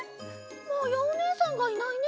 まやおねえさんがいないね。